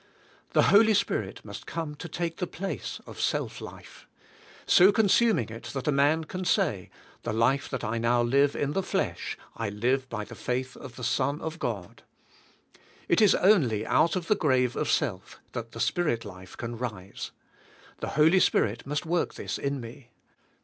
The Holy Spirit must come to take the place of self life; so consuming it that a man can say, "Thelife that I nowlivein the flesh, I live by the faith of the Son of God." It is only out of the grave of self that the Spirit life can rise. The Holy Spirit must work this in me.